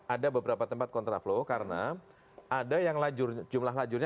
ada beberapa tempat contra flow karena ada yang lajur jumlah lajurnya empat